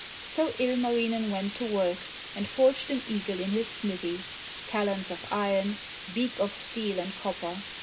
So Ilmarinen went to work and forged an eagle in his smithy: talons of iron, beak of steel and copper.